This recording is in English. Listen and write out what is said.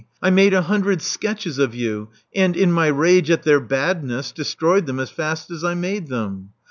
I made a hundred sketches of you, and, in my rage at their badness, destroyed them as fast as I made them.